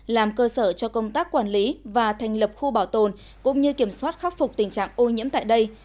làm cơ sở cho công tác quản lý và thành lập khu bảo tồn cũng như kiểm soát khắc phục tình trạng ô nhiễm tại đây